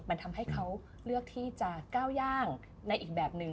มันทำให้เขาเลือกที่จะก้าวย่างในอีกแบบหนึ่ง